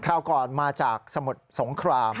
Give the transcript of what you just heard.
ราวก่อนมาจากสมุทรสงคราม